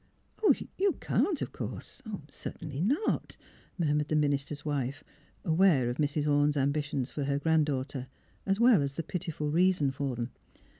"'' You can't, of course — certainly not," mur mured the minister's wife, aware of Mrs. Orne's ambitions for her grand daughter, as well as the pitiful reason for them.